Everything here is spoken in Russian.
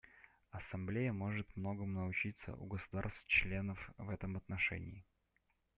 Ассамблея может многому научиться у государств-членов в этом отношении.